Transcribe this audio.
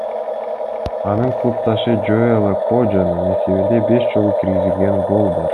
Анын клубдашы Жоэла Кожонун эсебинде беш жолу киргизилген гол бар.